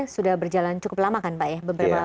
sudah berjalan cukup lama kan pak ya